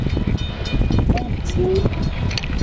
ও এমন কিসিঞ্জার কেন?